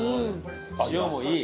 塩もいい。